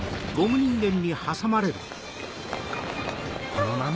このまま。